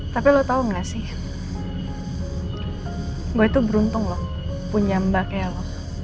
tapi lo tau nggak sih gue itu beruntung loh punya mbaknya lo